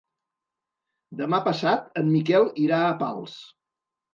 Demà passat en Miquel irà a Pals.